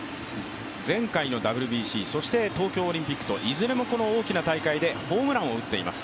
前回のＷＢＣ、そして東京オリンピックといずれも大きな大会でホームランを打っています。